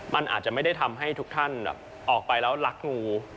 มันอาจจะไม่ได้ทำให้ทุกท่านออกไปแล้วรักงู